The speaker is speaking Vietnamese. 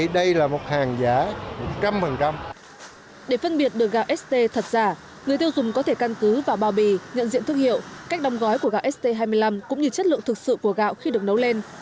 để phân biệt được gạo st thật giả người tiêu dùng có thể căn cứ vào bao bì nhận diện thương hiệu cách đong gói của gạo st hai mươi năm cũng như chất lượng thực sự của gạo khi được nấu lên